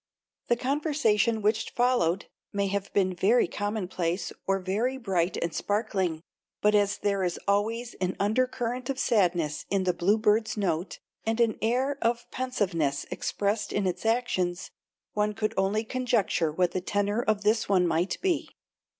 The conversation which followed may have been very commonplace or very bright and sparkling, but as there is always an undercurrent of sadness in the bluebird's note, and an air of pensiveness expressed in its actions, one could only conjecture what the tenor of this one might be.